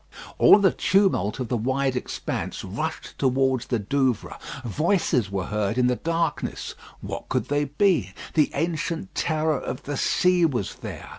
All the tumult of the wide expanse rushed towards the Douvres. Voices were heard in the darkness. What could they be? The ancient terror of the sea was there.